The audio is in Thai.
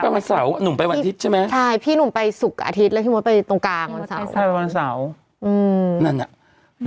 วันอาทิตย์นะนุ่มไปวันอาทิตย์ใช่ไหมพี่นุ่มไปสุกอาทิตย์และพี่มดไปตรงกลางวันเสาร์